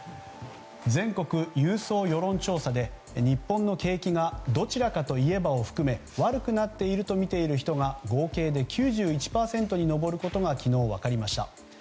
全国郵送世論調査で日本の景気がどちらかといえばを含め悪くなっているとみている人が合計で９１％に上ることが昨日分かりました。